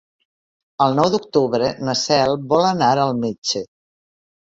El nou d'octubre na Cel vol anar al metge.